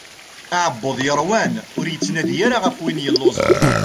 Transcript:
Aɛebbuḍ yeṛwan ur yettnadi ara ɣef win yelluẓen.